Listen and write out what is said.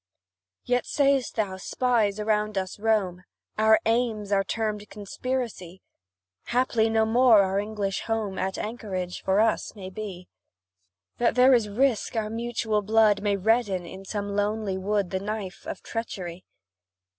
Yet sayst thou, spies around us roam, Our aims are termed conspiracy? Haply, no more our English home An anchorage for us may be? That there is risk our mutual blood May redden in some lonely wood The knife of treachery?